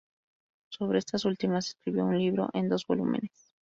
Sobre estas últimas escribió un libro en dos volúmenes.